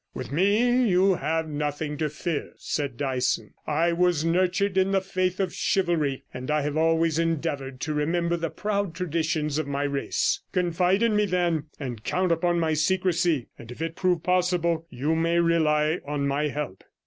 'With me you have nothing to fear,' said Dyson. I was nurtured in the faith of chivalry, and I have always endeavoured to remember the proud traditions of my race. Confide in me, then, and count upon my secrecy, and if it prove possible, you may rely on my help.'